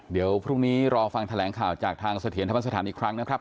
เดี๋ยวพรุ่งนี้รอฟังแถลงข่าวจากทางเสถียรธรรมสถานอีกครั้งนะครับ